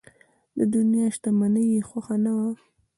د دنیا شتمني یې خوښه نه وه.